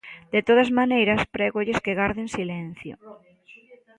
De todas maneiras, prégolles que garden silencio.